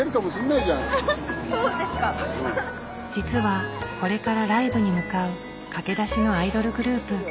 実はこれからライブに向かう駆け出しのアイドルグループ。